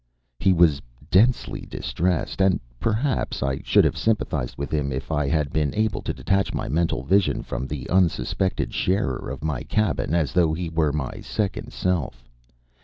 He was densely distressed and perhaps I should have sympathized with him if I had been able to detach my mental vision from the unsuspected sharer of my cabin as though he were my second self.